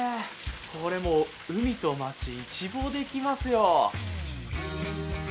これ、もう海と街、一望できますよ。